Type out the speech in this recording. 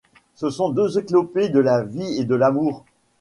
Ce sont deux éclopés de la vie et de l'amour.